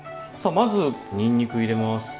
まずにんにく入れます。